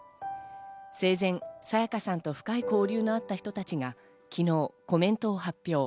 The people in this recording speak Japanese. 生前、沙也加さんと深い交流のあった人たちが昨日コメントを発表。